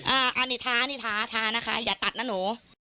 อันนี้ท้านี่ท้าท้านะคะอย่าตัดนะหนู